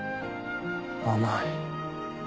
甘い。